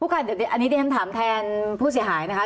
ค่ะอันนี้เดี๋ยวฉันถามแทนผู้เสียหายนะคะ